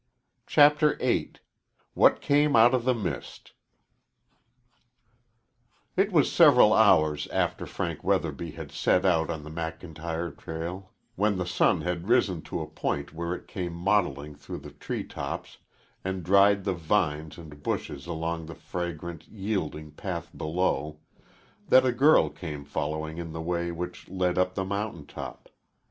CHAPTER VIII WHAT CAME OUT OF THE MIST It was several hours after Frank Weatherby had set out on the McIntyre trail when the sun had risen to a point where it came mottling through the tree tops and dried the vines and bushes along the fragrant, yielding path below that a girl came following in the way which led up the mountain top.